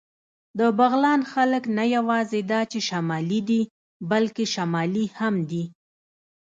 د بغلان خلک نه یواځې دا چې شمالي دي، بلکې شمالي هم دي.